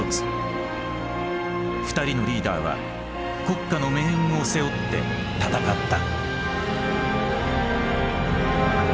２人のリーダーは国家の命運を背負って戦った。